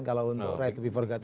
kalau untuk right before got to